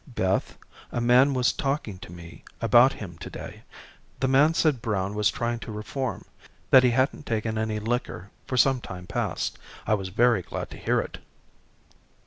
"Beth, a man was talking to me about him to day. The man said Brown was trying to reform; that he hadn't taken any liquor for some time past. I was very glad to hear it."